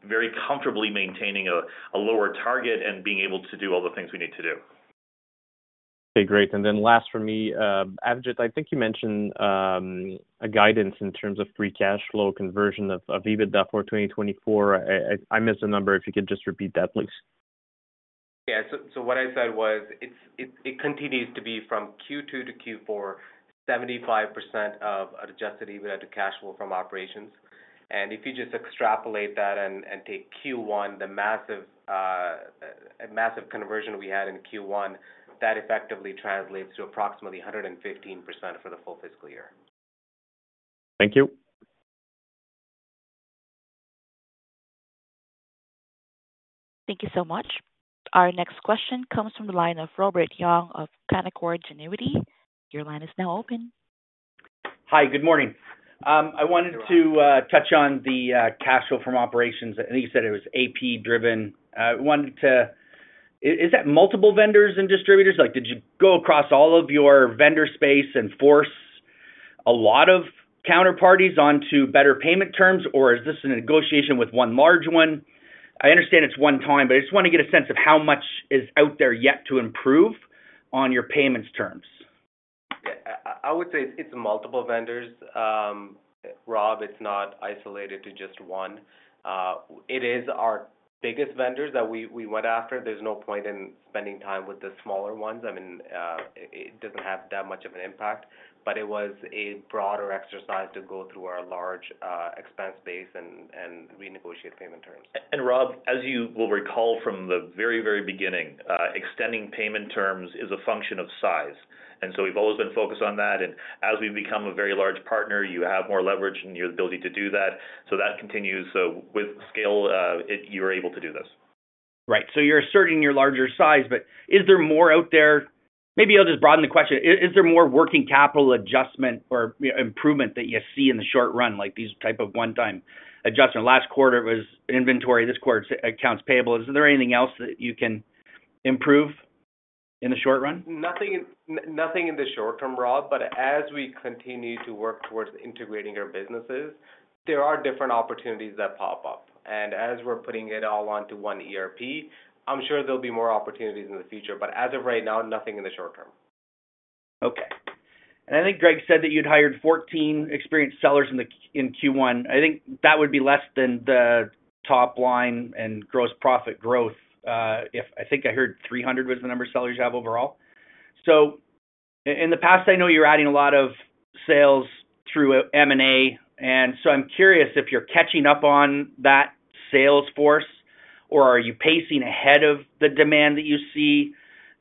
very comfortably maintaining a lower target and being able to do all the things we need to do.... Okay, great. And then last for me, Avjit, I think you mentioned a guidance in terms of free cash flow conversion of EBITDA for 2024. I missed the number, if you could just repeat that, please. Yeah. So what I said was, it continues to be from Q2 to Q4, 75% of Adjusted EBITDA to cash flow from operations. And if you just extrapolate that and take Q1, the massive massive conversion we had in Q1, that effectively translates to approximately 115% for the full fiscal year. Thank you. Thank you so much. Our next question comes from the line of Robert Young of Canaccord Genuity. Your line is now open. Hi, good morning. I wanted to touch on the cash flow from operations. I think you said it was AP driven. I wanted to... is that multiple vendors and distributors? Like, did you go across all of your vendor space and force a lot of counterparties onto better payment terms, or is this a negotiation with one large one? I understand it's one time, but I just want to get a sense of how much is out there yet to improve on your payments terms. Yeah, I would say it's multiple vendors. Rob, it's not isolated to just one. It is our biggest vendors that we went after. There's no point in spending time with the smaller ones. I mean, it doesn't have that much of an impact, but it was a broader exercise to go through our large expense base and renegotiate payment terms. Rob, as you will recall from the very, very beginning, extending payment terms is a function of size, and so we've always been focused on that. As we've become a very large partner, you have more leverage and your ability to do that. That continues with scale. You're able to do this. Right. So you're asserting your larger size, but is there more out there? Maybe I'll just broaden the question: is there more working capital adjustment or, you know, improvement that you see in the short run, like these type of one-time adjustment? Last quarter, it was inventory, this quarter, it's accounts payable. Is there anything else that you can improve in the short run? Nothing in the short term, Rob, but as we continue to work towards integrating our businesses, there are different opportunities that pop up, and as we're putting it all onto one ERP, I'm sure there'll be more opportunities in the future, but as of right now, nothing in the short term. Okay. And I think Greg said that you'd hired 14 experienced sellers in the-- in Q1. I think that would be less than the top line in gross profit growth, if... I think I heard 300 was the number of sellers you have overall. So in the past, I know you're adding a lot of sales through M&A, and so I'm curious if you're catching up on that sales force, or are you pacing ahead of the demand that you see?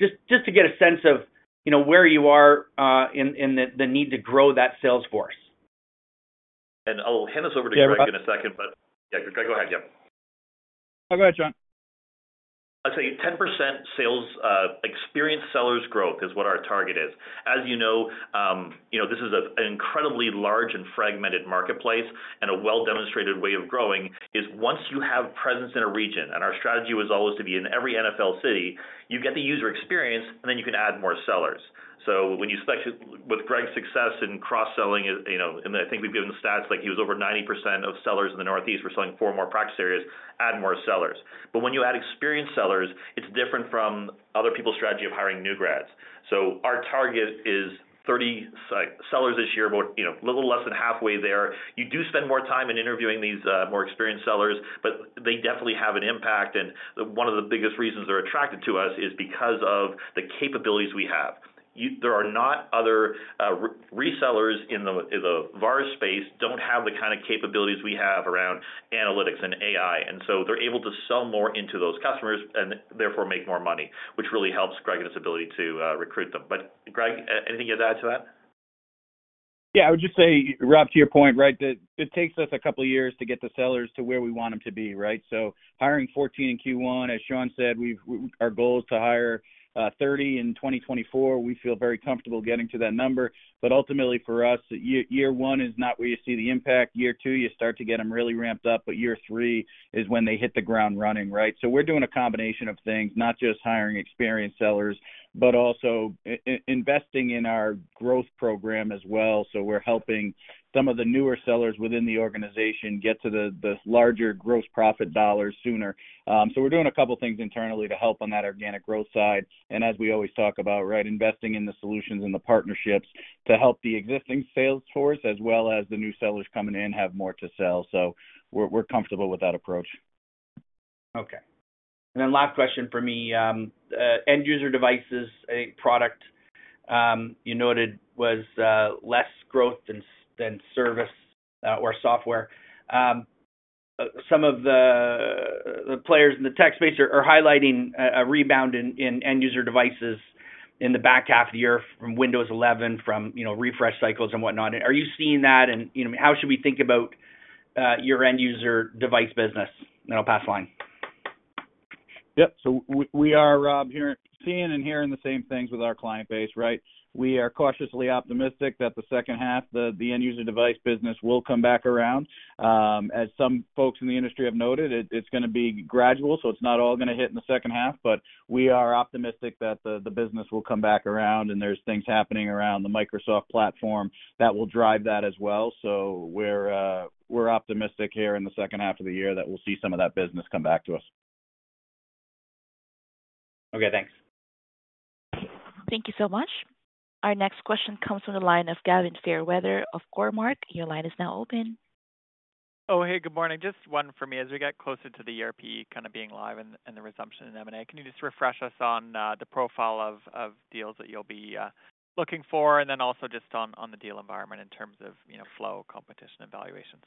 Just to get a sense of, you know, where you are, in, in the, the need to grow that sales force. I'll hand this over to Greg in a second, but... Yeah, Greg, go ahead. Yeah. Go ahead, Shaun. I'd say 10% sales, experienced sellers growth is what our target is. As you know, you know, this is an incredibly large and fragmented marketplace, and a well-demonstrated way of growing is once you have presence in a region, and our strategy was always to be in every NFL city, you get the user experience, and then you can add more sellers. So with Greg's success in cross-selling, you know, and I think we've given the stats, like he was over 90% of sellers in the Northeast were selling four more practice areas, add more sellers. But when you add experienced sellers, it's different from other people's strategy of hiring new grads. So our target is 30 sellers this year, but, you know, a little less than halfway there. You do spend more time in interviewing these more experienced sellers, but they definitely have an impact, and one of the biggest reasons they're attracted to us is because of the capabilities we have. There are other resellers in the VAR space that don't have the kind of capabilities we have around analytics and AI, and so they're able to sell more into those customers and therefore make more money, which really helps Greg and his ability to recruit them. But Greg, anything you'd add to that? Yeah, I would just say, Rob, to your point, right, that it takes us a couple of years to get the sellers to where we want them to be, right? So hiring 14 in Q1, as Shaun said, our goal is to hire 30 in 2024. We feel very comfortable getting to that number, but ultimately for us, year 1 is not where you see the impact. Year 2, you start to get them really ramped up, but year 3 is when they hit the ground running, right? So we're doing a combination of things, not just hiring experienced sellers, but also investing in our growth program as well. So we're helping some of the newer sellers within the organization get to the larger gross profit dollars sooner. So we're doing a couple things internally to help on that organic growth side, and as we always talk about, right, investing in the solutions and the partnerships to help the existing sales force, as well as the new sellers coming in, have more to sell. So we're comfortable with that approach. Okay. And then last question for me, end user devices, a product you noted was less growth than service or software. Some of the players in the tech space are highlighting a rebound in end user devices in the back half of the year from Windows 11, from, you know, refresh cycles and whatnot. Are you seeing that? And, you know, how should we think about your end user device business? And I'll pass the line. Yep. So we are, Rob, hearing - seeing and hearing the same things with our client base, right? We are cautiously optimistic that the second half, the end user device business will come back around. As some folks in the industry have noted, it's gonna be gradual, so it's not all gonna hit in the second half, but we are optimistic that the business will come back around, and there's things happening around the Microsoft platform that will drive that as well. So we're optimistic here in the second half of the year that we'll see some of that business come back to us. ... Okay, thanks. Thank you so much. Our next question comes from the line of Gavin Fairweather of Cormark. Your line is now open. Oh, hey, good morning. Just one for me. As we get closer to the ERP kind of being live and the resumption in M&A, can you just refresh us on the profile of deals that you'll be looking for? And then also just on the deal environment in terms of, you know, flow, competition, and valuations.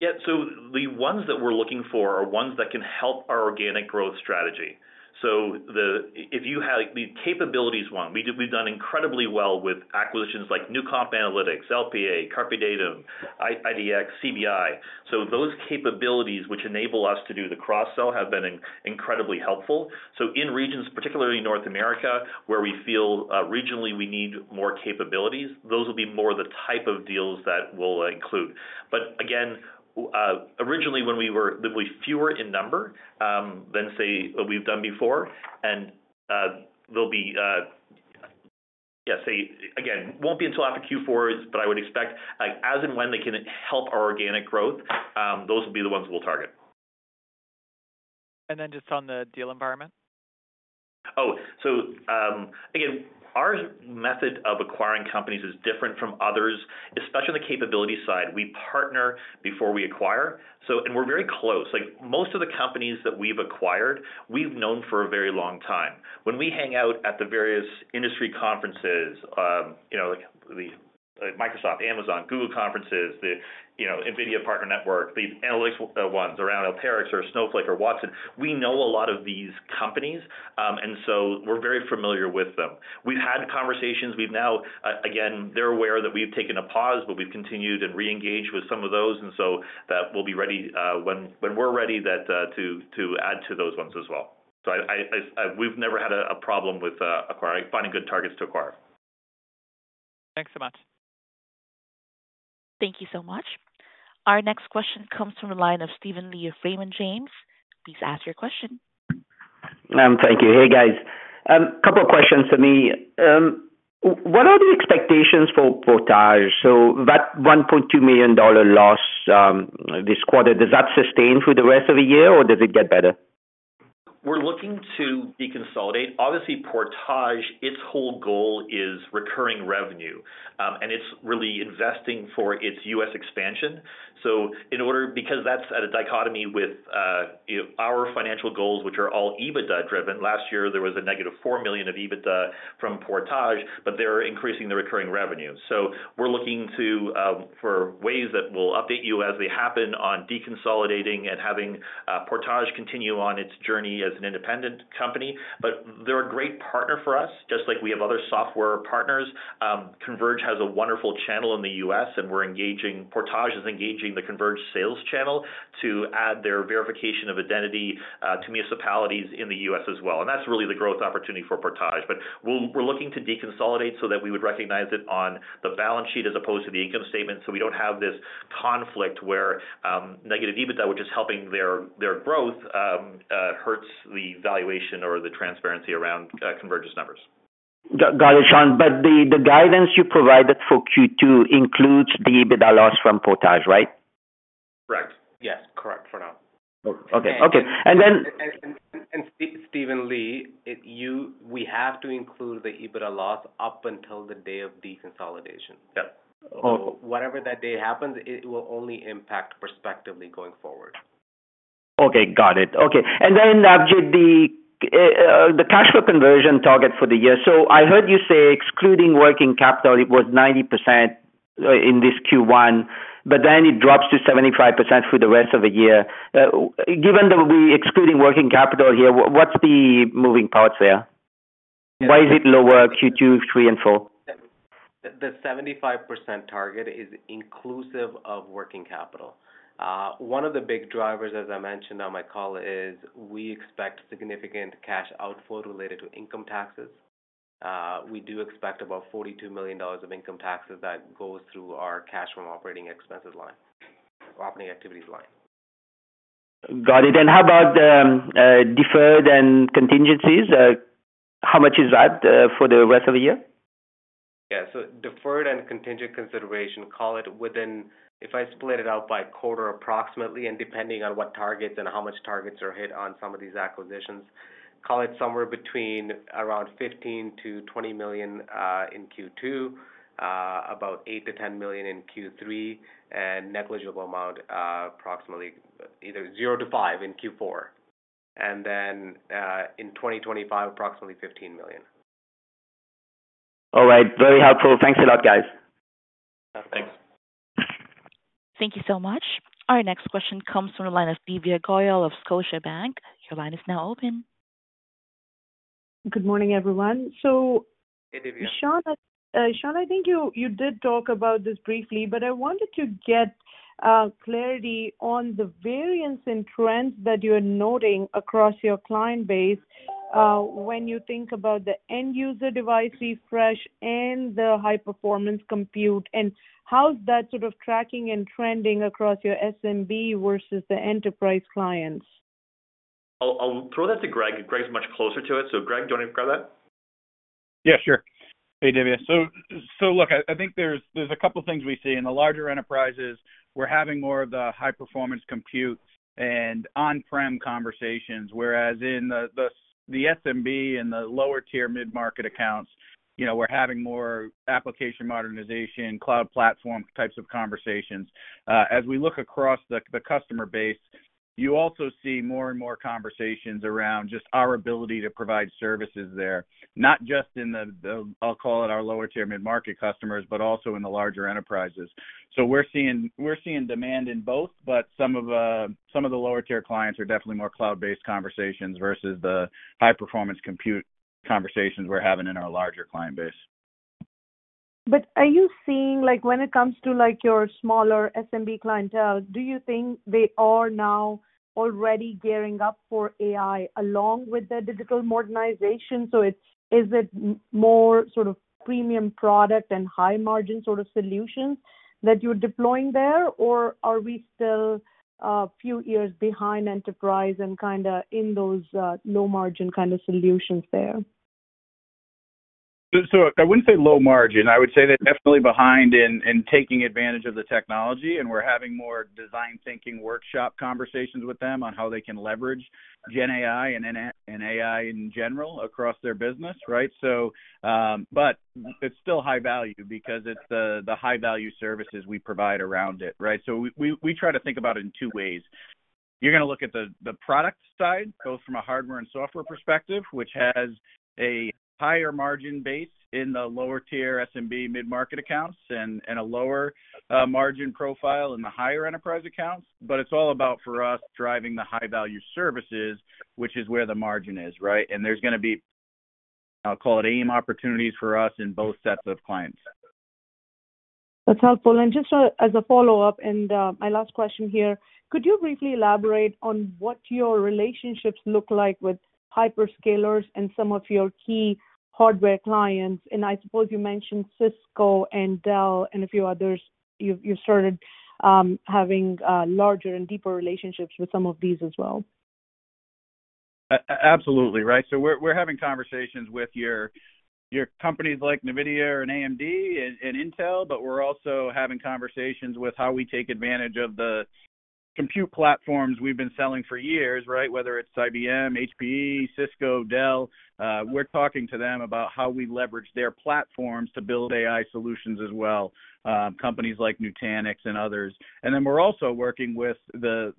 Yeah. So the ones that we're looking for are ones that can help our organic growth strategy. So the—if you have the capabilities one, we've done incredibly well with acquisitions like Newcomp Analytics, LPA, CarpeDatum, IDX, CBI. So those capabilities, which enable us to do the cross-sell, have been incredibly helpful. So in regions, particularly North America, where we feel regionally, we need more capabilities, those will be more the type of deals that we'll include. But again, originally, when we were, there'll be fewer in number than, say, what we've done before, and there'll be... Yeah, say again, won't be until after Q4, but I would expect, like, as and when they can help our organic growth, those will be the ones we'll target. Just on the deal environment. Oh, so, again, our method of acquiring companies is different from others, especially on the capability side. We partner before we acquire, so. And we're very close. Like, most of the companies that we've acquired, we've known for a very long time. When we hang out at the various industry conferences, you know, like the Microsoft, Amazon, Google conferences, the, you know, NVIDIA Partner Network, the analytical ones around Alteryx or Snowflake or Watson, we know a lot of these companies, and so we're very familiar with them. We've had conversations. We've now, again, they're aware that we've taken a pause, but we've continued and reengaged with some of those, and so that we'll be ready, when we're ready, to add to those ones as well. We've never had a problem with finding good targets to acquire. Thanks so much. Thank you so much. Our next question comes from the line of Steven Li of Raymond James. Please ask your question. Thank you. Hey, guys. Couple of questions for me. What are the expectations for Portage? So that 1.2 million dollar loss this quarter, does that sustain through the rest of the year, or does it get better? We're looking to deconsolidate. Obviously, Portage, its whole goal is recurring revenue, and it's really investing for its U.S. expansion. So in order, because that's at a dichotomy with, you know, our financial goals, which are all EBITDA-driven. Last year, there was -4 million of EBITDA from Portage, but they're increasing the recurring revenue. So we're looking to, for ways that we'll update you as they happen, on deconsolidating and having, Portage continue on its journey as an independent company. But they're a great partner for us, just like we have other software partners. Converge has a wonderful channel in the U.S., and we're engaging... Portage is engaging the Converge sales channel to add their verification of identity, to municipalities in the U.S. as well, and that's really the growth opportunity for Portage. But we're looking to deconsolidate so that we would recognize it on the balance sheet as opposed to the income statement, so we don't have this conflict where negative EBITDA, which is helping their growth, hurts the valuation or the transparency around Converge's numbers. Got it, Shaun. But the guidance you provided for Q2 includes the EBITDA loss from Portage, right? Correct. Yes, correct for now. Okay. Okay, and then- Steven Li, you, we have to include the EBITDA loss up until the day of deconsolidation. Yep. Oh. Whatever that day happens, it will only impact prospectively going forward. Okay, got it. Okay, and then, Avjit, the, the cash flow conversion target for the year. So I heard you say, excluding working capital, it was 90%, in this Q1, but then it drops to 75% through the rest of the year. Given that we're excluding working capital here, w-what's the moving parts there? Why is it lower Q2, 3, and 4? The 75% target is inclusive of working capital. One of the big drivers, as I mentioned on my call, is we expect significant cash outflow related to income taxes. We do expect about 42 million dollars of income taxes that goes through our cash from operating expenses line or operating activities line. Got it. And how about deferred and contingencies? How much is that for the rest of the year? Yeah, so deferred and contingent consideration, call it within... If I split it out by quarter, approximately, and depending on what targets and how much targets are hit on some of these acquisitions, call it somewhere between around 15-20 million in Q2, about 8-10 million in Q3, and negligible amount, approximately either 0-5 million in Q4. And then, in 2025, approximately 15 million. All right. Very helpful. Thanks a lot, guys. Thanks. Thank you so much. Our next question comes from the line of Divya Goyal of Scotiabank. Your line is now open. Good morning, everyone. Hey, Divya. Sean, Sean, I think you, you did talk about this briefly, but I wanted to get clarity on the variance in trends that you're noting across your client base, when you think about the end user device refresh and the high-performance compute, and how's that sort of tracking and trending across your SMB versus the enterprise clients? I'll throw that to Greg. Greg's much closer to it, so Greg, do you want to grab that?... Yeah, sure. Hey, Divya. So look, I think there's a couple things we see. In the larger enterprises, we're having more of the high-performance compute and on-prem conversations, whereas in the SMB and the lower tier mid-market accounts, you know, we're having more application modernization, cloud platform types of conversations. As we look across the customer base, you also see more and more conversations around just our ability to provide services there, not just in the, I'll call it our lower tier mid-market customers, but also in the larger enterprises. So we're seeing demand in both, but some of the lower tier clients are definitely more cloud-based conversations versus the high-performance compute conversations we're having in our larger client base. But are you seeing, like, when it comes to, like, your smaller SMB clientele, do you think they are now already gearing up for AI along with their digital modernization? So is it more sort of premium product and high-margin sort of solutions that you're deploying there? Or are we still a few years behind enterprise and kind of in those low-margin kind of solutions there? So I wouldn't say low margin. I would say they're definitely behind in taking advantage of the technology, and we're having more design thinking workshop conversations with them on how they can leverage GenAI and AI in general across their business, right? So but it's still high value because it's the high-value services we provide around it, right? So we try to think about it in two ways. You're gonna look at the product side, both from a hardware and software perspective, which has a higher margin base in the lower tier SMB mid-market accounts and a lower margin profile in the higher enterprise accounts. But it's all about, for us, driving the high-value services, which is where the margin is, right? And there's gonna be, I'll call it, AIM opportunities for us in both sets of clients. That's helpful. And just, as a follow-up and, my last question here: could you briefly elaborate on what your relationships look like with hyperscalers and some of your key hardware clients? And I suppose you mentioned Cisco and Dell and a few others. You've, you've started, having, larger and deeper relationships with some of these as well. Absolutely, right? So we're, we're having conversations with your, your companies like NVIDIA and AMD and Intel, but we're also having conversations with how we take advantage of the compute platforms we've been selling for years, right? Whether it's IBM, HPE, Cisco, Dell, we're talking to them about how we leverage their platforms to build AI solutions as well, companies like Nutanix and others. And then we're also working with the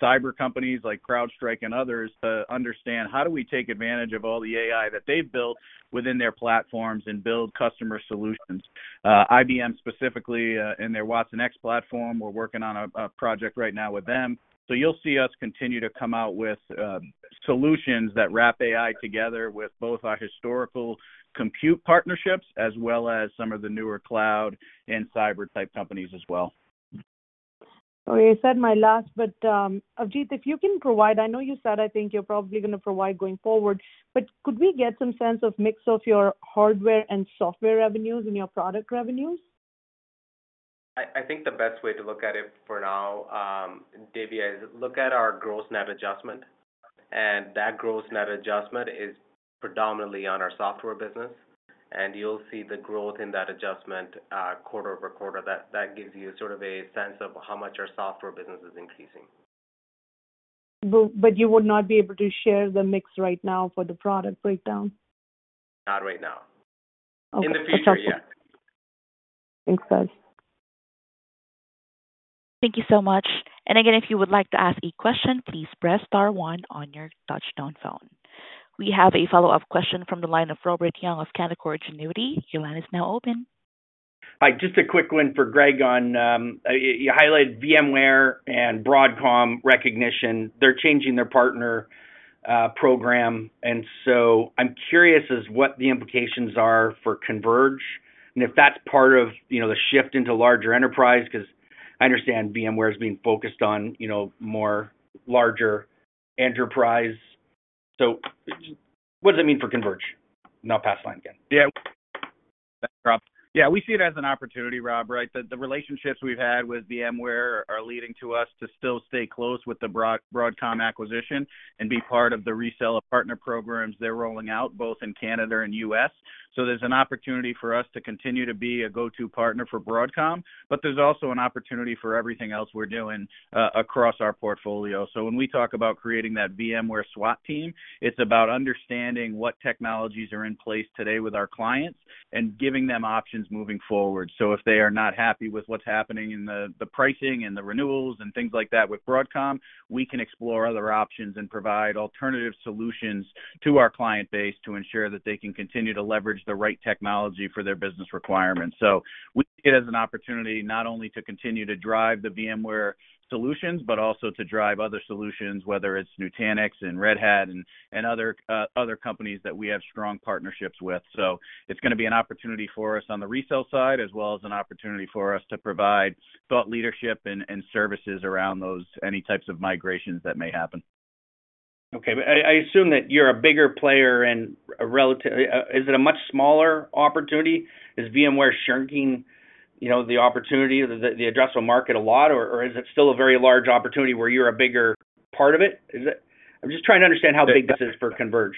cyber companies like CrowdStrike and others, to understand how do we take advantage of all the AI that they've built within their platforms and build customer solutions. IBM specifically, in their watsonx platform, we're working on a project right now with them. You'll see us continue to come out with solutions that wrap AI together with both our historical compute partnerships as well as some of the newer cloud and cyber type companies as well. Oh, you said my last, but, Avjit, if you can provide... I know you said, I think you're probably gonna provide going forward, but could we get some sense of mix of your hardware and software revenues and your product revenues? I think the best way to look at it for now, Divya, is look at our gross net adjustment, and that gross net adjustment is predominantly on our software business, and you'll see the growth in that adjustment, quarter over quarter. That gives you sort of a sense of how much our software business is increasing. But you would not be able to share the mix right now for the product breakdown? Not right now. Okay. In the future, yeah. Thanks, guys. Thank you so much. And again, if you would like to ask a question, please press star one on your touchtone phone. We have a follow-up question from the line of Robert Young of Canaccord Genuity. Your line is now open. Hi, just a quick one for Greg on, you highlighted VMware and Broadcom recognition. They're changing their partner program, and so I'm curious as what the implications are for Converge, and if that's part of, you know, the shift into larger enterprise, 'cause I understand VMware is being focused on, you know, more larger enterprise. So what does it mean for Converge? And I'll pass the line again. Yeah. Thanks, Rob. Yeah, we see it as an opportunity, Rob, right? The relationships we've had with VMware are leading to us to still stay close with the Broadcom acquisition and be part of the resale of partner programs they're rolling out, both in Canada and U.S. So there's an opportunity for us to continue to be a go-to partner for Broadcom, but there's also an opportunity for everything else we're doing across our portfolio. So when we talk about creating that VMware SWAT Team, it's about understanding what technologies are in place today with our clients and giving them options moving forward. So if they are not happy with what's happening in the pricing and the renewals and things like that with Broadcom, we can explore other options and provide alternative solutions to our client base to ensure that they can continue to leverage the right technology for their business requirements. So we see it as an opportunity not only to continue to drive the VMware solutions, but also to drive other solutions, whether it's Nutanix and Red Hat and other companies that we have strong partnerships with. So it's gonna be an opportunity for us on the resale side, as well as an opportunity for us to provide thought leadership and, and services around those, any types of migrations that may happen. Okay. But I, I assume that you're a bigger player and a relative- is it a much smaller opportunity? Is VMware shrinking, you know, the opportunity, the, the addressable market a lot, or, or is it still a very large opportunity where you're a bigger part of it? Is it- I'm just trying to understand how big this is for Converge.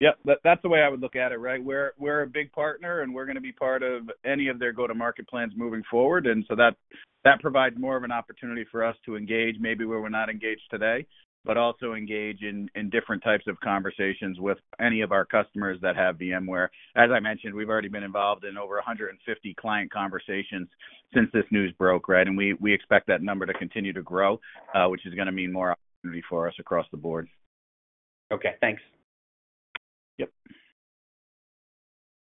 Yep. That, that's the way I would look at it, right? We're a big partner, and we're gonna be part of any of their go-to-market plans moving forward, and so that provides more of an opportunity for us to engage maybe where we're not engaged today, but also engage in different types of conversations with any of our customers that have VMware. As I mentioned, we've already been involved in over 150 client conversations since this news broke, right? And we expect that number to continue to grow, which is gonna mean more opportunity for us across the board. Okay, thanks. Yep.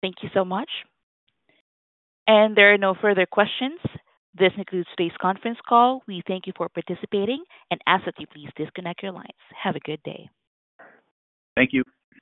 Thank you so much. There are no further questions. This concludes today's conference call. We thank you for participating and ask that you please disconnect your lines. Have a good day. Thank you.